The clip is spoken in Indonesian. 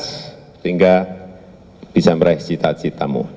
sehingga bisa meraih cita citamu